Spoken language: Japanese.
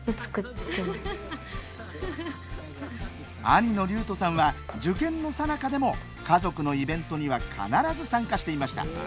兄の琉斗さんは受験のさなかでも家族のイベントには必ず参加していました。